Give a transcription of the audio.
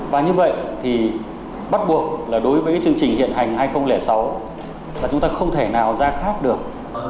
và như vậy thì bắt buộc là đối với chương trình hiện hành hai nghìn sáu là chúng ta không thể nào ra khác được